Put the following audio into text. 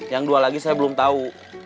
yang dua lagi saya belum tahu